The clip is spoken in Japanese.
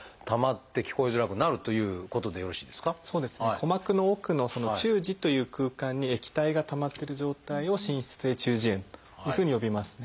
鼓膜の奥の「中耳」という空間に液体がたまってる状態を「滲出性中耳炎」というふうに呼びますね。